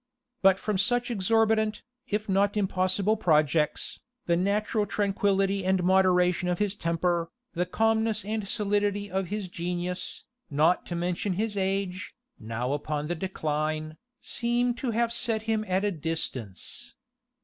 But from such exorbitant, if not impossible projects, the natural tranquillity and moderation of his temper, the calmness and solidity of his genius, not to mention his age, now upon the decline, seem to have set him at a distance.